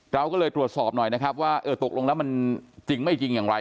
เราก็เลยตรวจสอบหน่อยนะครับว่าเออตกลงแล้วมันจริงไม่จริงอย่างไร